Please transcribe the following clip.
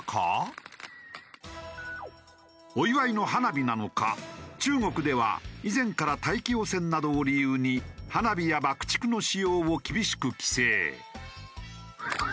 お祝いの花火なのか中国では以前から大気汚染などを理由に花火や爆竹の使用を厳しく規制。